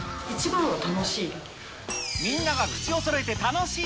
楽しい。